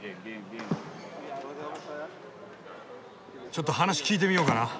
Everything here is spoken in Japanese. ちょっと話聞いてみようかな？